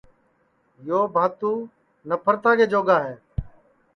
یو بھاتو نپھرتا کے جوگا ہے